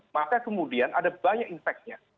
maka kemudian ada banyak impactnya